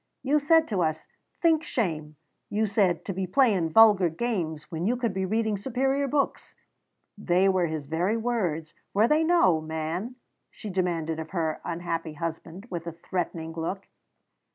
You said to us, 'Think shame,' you said, 'to be playing vulgar games when you could be reading superior books.' They were his very words, were they no, man?" she demanded of her unhappy husband, with a threatening look.